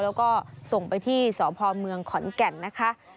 แล้วก็ส่งไปที่สพเมืองขอนแก่นนะคะ